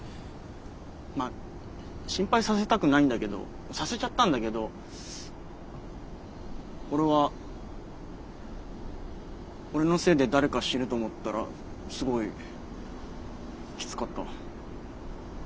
まあ心配させたくないんだけどさせちゃったんだけど俺は俺のせいで誰か死ぬと思ったらすごいきつかった。